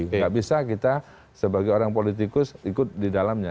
nggak bisa kita sebagai orang politikus ikut di dalamnya